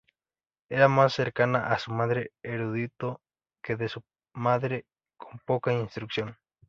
Era más cercana a su padre erudito, que de su madre con poca instrucción.